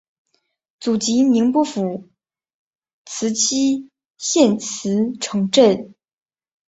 祖籍宁波府慈溪县慈城镇。